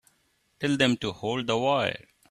Tell them to hold the wire.